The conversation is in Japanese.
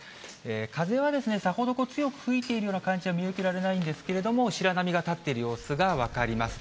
風はさほど強く吹いているような感じは見受けられないんですけれども、白波が立っている様子が分かります。